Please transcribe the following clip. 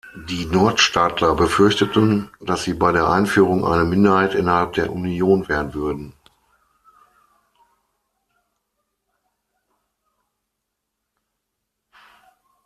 Die Nordstaatler befürchteten, dass sie bei Einführung eine Minderheit innerhalb der Union werden würden.